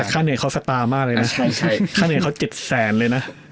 ค่าเหนื่อยเขาสตาร์มากเลยนะค่าเหนื่อยเขา๗แสนเลยนะ